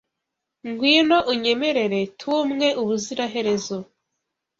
ngwino unyemerere tube umwe ubuziraherezo